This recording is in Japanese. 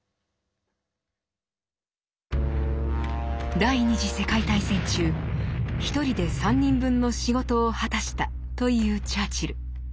第二次世界大戦中「一人で三人分の仕事を果たした」というチャーチル。